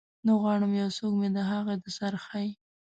نه غواړم یو څوک مې د هغه د سرخۍ